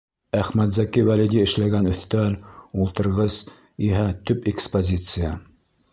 Әхмәтзәки Вәлиди эшләгән өҫтәл, ултырғыс иһә — төп экспозиция.